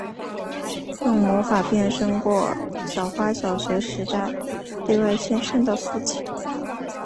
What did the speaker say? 用魔法变身过小花小学时代对外宣称的父亲。